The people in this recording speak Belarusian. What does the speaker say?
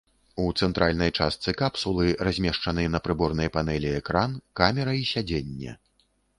У цэнтральнай частцы капсулы размешчаны на прыборнай панэлі экран, камера і сядзенне.